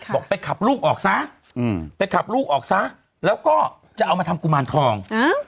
บอกไปขับลูกออกซะไปขับลูกออกซะแล้วก็จะเอามาทำกุมารทอง